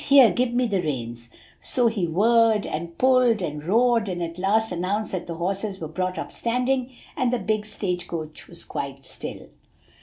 "Here, give me the reins." So he whoaed, and pulled, and roared, and at last announced that the horses were brought up standing, and the big stage coach was quite still.